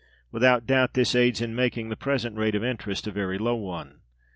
Without doubt this aids in making the present rate of interest a very low one.